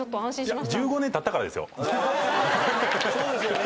そうですよね。